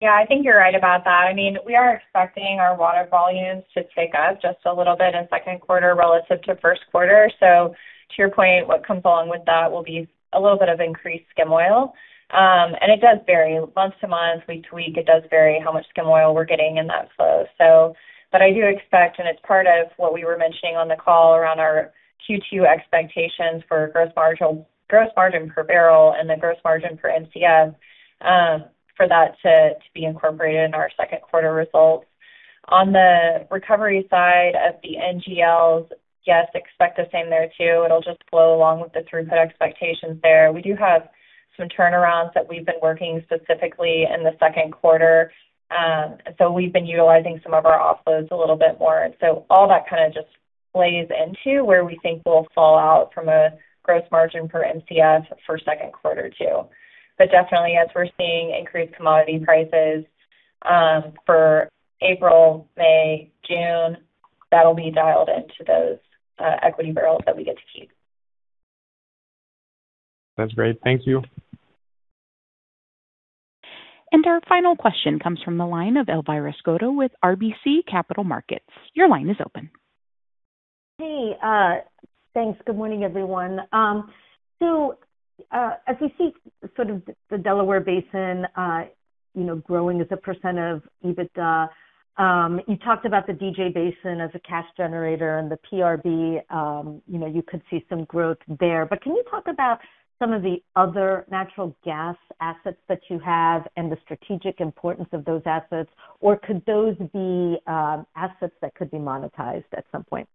Yeah, I think you're right about that. I mean, we are expecting our water volumes to tick up just a little bit in second quarter relative to first quarter. To your point, what comes along with that will be a little bit of increased skim oil. It does vary month to month. We tweak. It does vary how much skim oil we're getting in that flow. I do expect, and it's part of what we were mentioning on the call around our Q2 expectations for gross margin per barrel and the gross margin for Mcf, for that to be incorporated in our second quarter results. On the recovery side of the NGLs, yes, expect the same there too. It'll just flow along with the throughput expectations there. We do have some turnarounds that we've been working specifically in the second quarter. We've been utilizing some of our offloads a little bit more. All that kind of just plays into where we think we'll fall out from a gross margin per Mcf for second quarter too. Definitely as we're seeing increased commodity prices, for April, May, June, that'll be dialed into those equity barrels that we get to keep.
That's great. Thank you.
Our final question comes from the line of Elvira Scotto with RBC Capital Markets. Your line is open.
Hey, thanks. Good morning, everyone. As we see sort of the Delaware Basin, you know, growing as a percent of EBITDA, you talked about the DJ Basin as a cash generator and the PRB, you know, you could see some growth there. Can you talk about some of the other natural gas assets that you have and the strategic importance of those assets? Could those be assets that could be monetized at some point?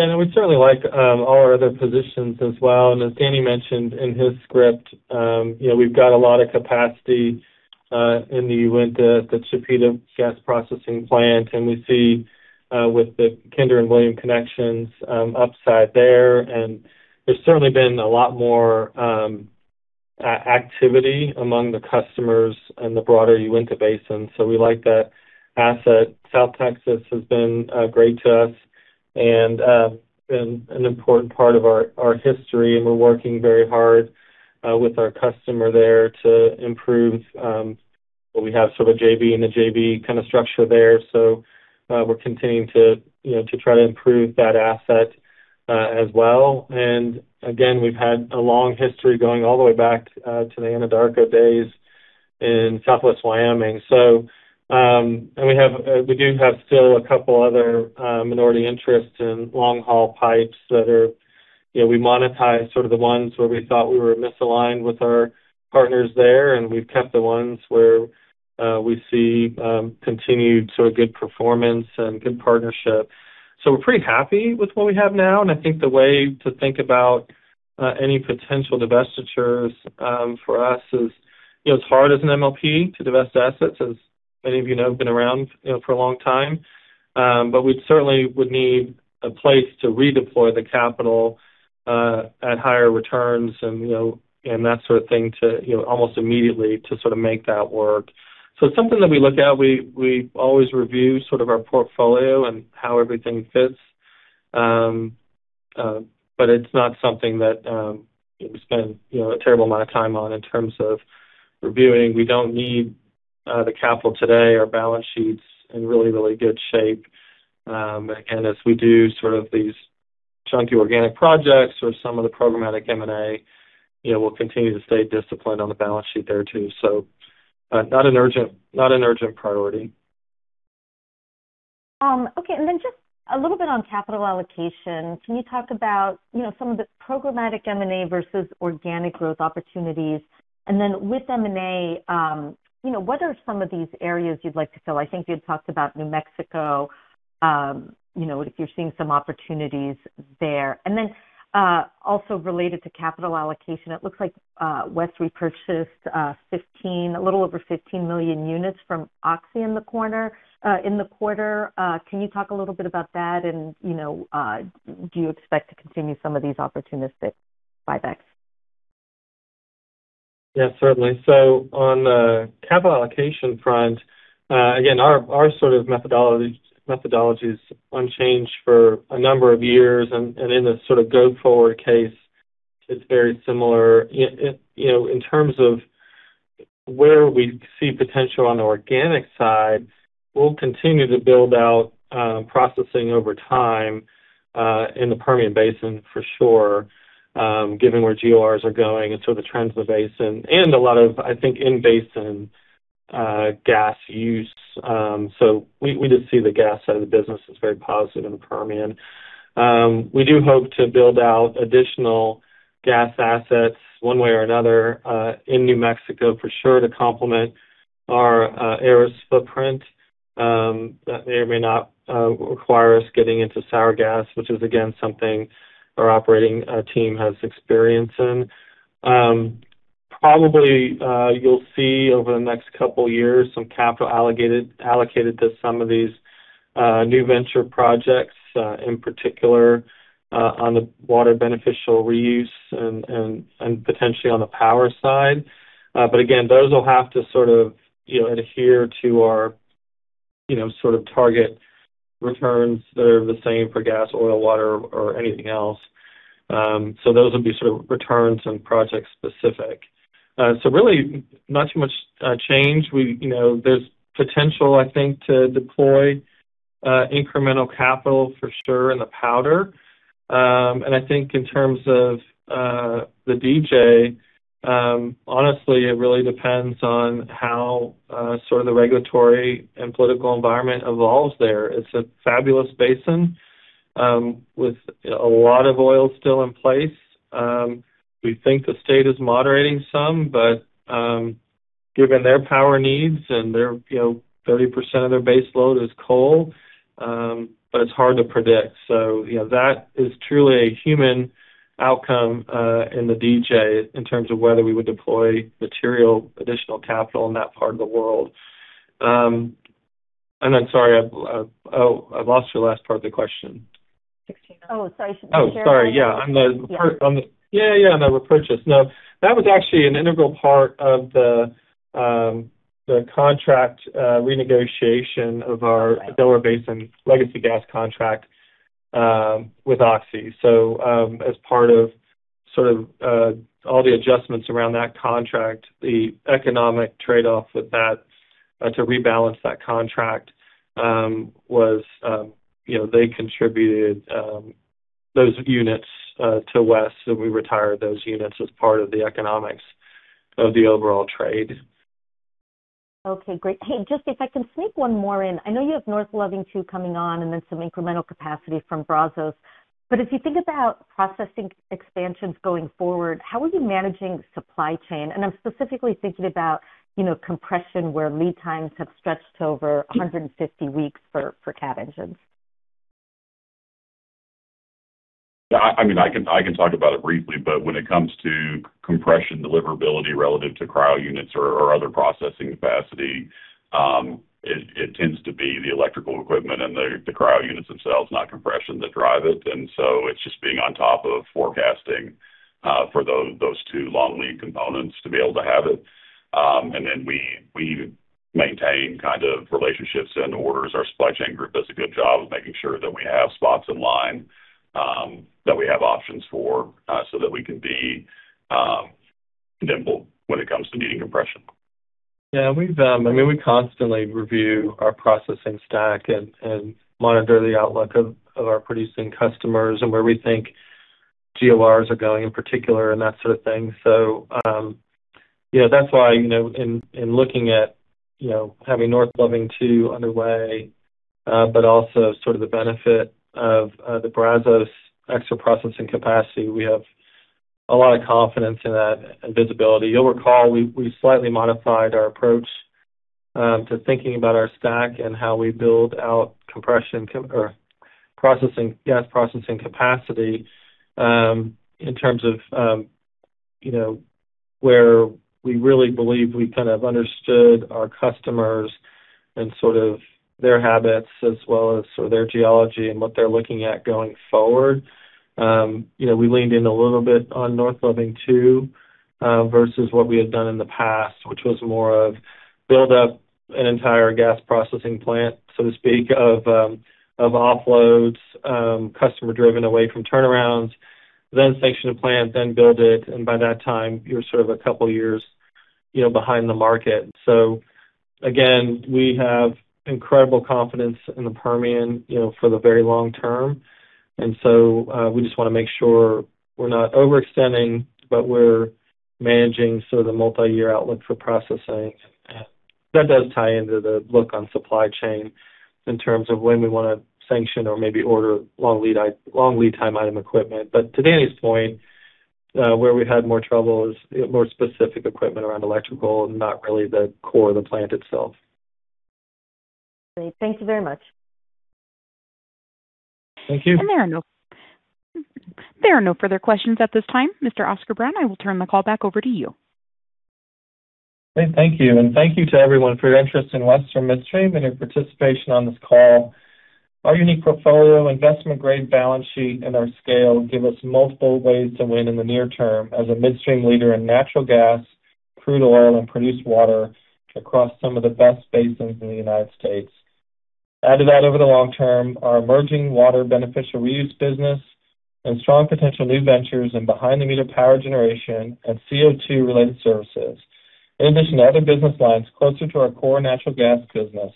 Yeah. No, we certainly like all our other positions as well. As Danny mentioned in his script, you know, we've got a lot of capacity in the Uinta, the Chipeta gas processing plant. We see with the Kinder and William connections, upside there. There's certainly been a lot more activity among the customers in the broader Uinta Basin. We like that asset. South Texas has been great to us and been an important part of our history, and we're working very hard with our customer there to improve what we have, sort of a JV in a JV kind of structure there. We're continuing to, you know, to try to improve that asset as well. We've had a long history going all the way back to the Anadarko days in Southwest Wyoming. We have, we do have still a couple other minority interests in long-haul pipes, you know, we monetized sort of the ones where we thought we were misaligned with our partners there, and we've kept the ones where we see continued sort of good performance and good partnership. We're pretty happy with what we have now. The way to think about any potential divestitures for us is, you know, it's hard as an MLP to divest assets, as many of you know, have been around, you know, for a long time. We certainly would need a place to redeploy the capital at higher returns and, you know, and that sort of thing to, you know, almost immediately to sort of make that work. It's something that we look at. We always review sort of our portfolio and how everything fits. It's not something that, you know, we spend, you know, a terrible amount of time on in terms of reviewing. We don't need the capital today. Our balance sheet's in really, really good shape. As we do sort of these chunky organic projects or some of the programmatic M&A, you know, we'll continue to stay disciplined on the balance sheet there too. Not an urgent priority.
Okay. Just a little bit on capital allocation. Can you talk about, you know, some of the programmatic M&A versus organic growth opportunities? With M&A, you know, what are some of these areas you'd like to fill? I think you had talked about New Mexico, you know, if you're seeing some opportunities there. Also related to capital allocation, it looks like West repurchased 15— a little over 15 million units from Oxy in the quarter. Can you talk a little bit about that? You know, do you expect to continue some of these opportunistic buybacks?
Certainly. On the capital allocation front, again, our sort of methodology is unchanged for a number of years. In this sort of go-forward case, it's very similar. You know, in terms of where we see potential on the organic side, we'll continue to build out processing over time in the Permian Basin for sure, given where GORs are going and sort of the trends in the basin and a lot of, I think, in-basin gas use. We just see the gas side of the business as very positive in the Permian. We do hope to build out additional gas assets one way or another, in New Mexico for sure to complement our Aris footprint, that may or may not require us getting into sour gas, which is again, something our operating team has experience in. Probably, you'll see over the next two years some capital allocated to some of these new venture projects, in particular, on the water beneficial reuse and potentially on the power side. Again, those will have to sort of, you know, adhere to our, you know, sort of target returns that are the same for gas, oil, water or anything else. Those would be sort of returns and project-specific. Really not too much change. We, you know, there's potential, I think, to deploy incremental capital for sure in the powder. And I think in terms of the DJ, honestly, it really depends on how sort of the regulatory and political environment evolves there. It's a fabulous basin, with a lot of oil still in place. We think the state is moderating some, given their power needs and their, you know, 30% of their base load is coal, it's hard to predict. You know, that is truly a human outcome in the DJ in terms of whether we would deploy material, additional capital in that part of the world. Sorry, I've Oh, I lost your last part of the question.
16. Oh, sorry.
Oh, sorry. Yeah. On the repurchase. No, that was actually an integral part of the contract renegotiation of our Delaware Basin legacy gas contract with Oxy. As part of sort of all the adjustments around that contract, the economic trade-off with that to rebalance that contract was, you know, they contributed those units to West, so we retired those units as part of the economics of the overall trade.
Okay, great. Hey, just if I can sneak one more in. I know you have North Loving II coming on and then some incremental capacity from Brazos. If you think about processing expansions going forward, how are you managing supply chain? I'm specifically thinking about, you know, compression where lead times have stretched over 150 weeks for Cat engines.
Yeah. I mean, I can talk about it briefly, but when it comes to compression deliverability relative to cryo units or other processing capacity, it tends to be the electrical equipment and the cryo units themselves, not compression that drive it. It's just being on top of forecasting for those two long lead components to be able to have it. We maintain kind of relationships and orders. Our supply chain group does a good job of making sure that we have spots in line, that we have options for, so that we can be nimble when it comes to needing compression.
We've, I mean, we constantly review our processing stack and monitor the outlook of our producing customers and where we think GORs are going in particular and that sort of thing. You know, that's why, you know, in looking at, you know, having North Loving II underway, but also sort of the benefit of the Brazos extra processing capacity, we have a lot of confidence in that and visibility. You'll recall we slightly modified our approach to thinking about our stack and how we build out or processing, gas processing capacity in terms of, you know, where we really believe we kind of understood our customers and sort of their habits as well as sort of their geology and what they're looking at going forward. You know, we leaned in a little bit on North Loving II versus what we had done in the past, which was more of build up an entire gas processing plant, so to speak, of offloads, customer driven away from turnarounds, then sanction a plant, then build it. By that time you're sort of a couple years, you know, behind the market. Again, we have incredible confidence in the Permian, you know, for the very long term. We just wanna make sure we're not overextending, but we're managing sort of the multi-year outlook for processing. That does tie into the look on supply chain in terms of when we wanna sanction or maybe order long lead time item equipment. To Danny's point, where we had more trouble is more specific equipment around electrical, not really the core of the plant itself.
Great. Thank you very much.
Thank you.
There are no further questions at this time. Mr. Oscar Brown, I will turn the call back over to you.
Great. Thank you. Thank you to everyone for your interest in Western Midstream and your participation on this call. Our unique portfolio, investment-grade balance sheet, and our scale give us multiple ways to win in the near term as a midstream leader in natural gas, crude oil, and produced water across some of the best basins in the U.S. Add to that over the long term, our emerging water beneficial reuse business and strong potential new ventures in behind-the-meter power generation and CO2-related services. In addition to other business lines closer to our core natural gas business.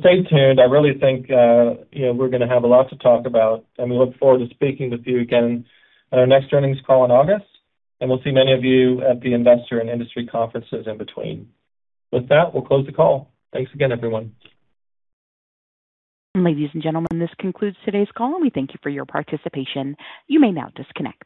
Stay tuned. I really think, you know, we're gonna have a lot to talk about. We look forward to speaking with you again at our next earnings call in August. We'll see many of you at the investor and industry conferences in between. With that, we'll close the call. Thanks again, everyone.
Ladies and gentlemen, this concludes today's call, and we thank you for your participation. You may now disconnect.